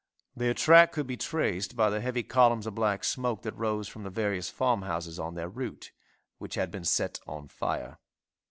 Their track could be traced by the heavy columns of black smoke that rose from the various farmhouses on their route, which had been set on fire.